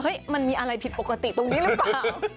มันมีอะไรผิดปกติตรงนี้หรือเปล่า